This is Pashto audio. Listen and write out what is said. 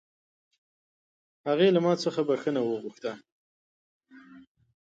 هغې له ما څخه بښنه وغوښته